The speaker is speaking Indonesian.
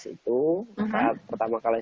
itu pertama kali